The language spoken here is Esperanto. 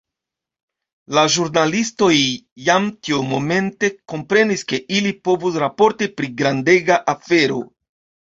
La ĵurnalistoj jam tiumomente komprenis ke ili povos raporti pri grandega afero.